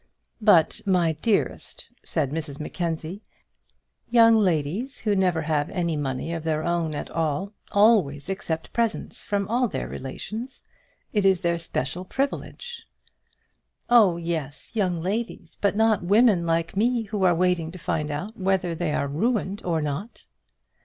"But, my dearest," said Mrs Mackenzie, "young ladies who never have any money of their own at all always accept presents from all their relations. It is their special privilege." "Oh, yes, young ladies; but not women like me who are waiting to find out whether they are ruined or not."